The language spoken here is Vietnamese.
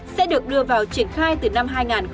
sẽ được đưa vào triển khai từ năm hai nghìn một mươi tám